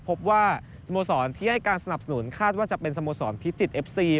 พบว่าสโมสรที่ให้การสนับสนุนคาดว่าจะเป็นสโมสรพิจิตรเอฟซี